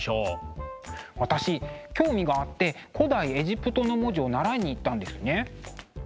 私興味があって古代エジプトの文字を習いに行ったんですね。